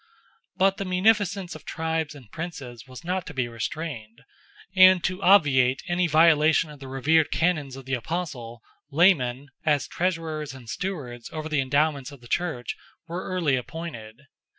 But the munificence of tribes and Princes was not to be restrained, and to obviate any violation of the revered canons of the apostle, laymen, as treasurers and stewards over the endowments of the Church, were early appointed.